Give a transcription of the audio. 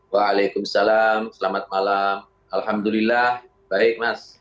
waalaikumsalam selamat malam alhamdulillah baik mas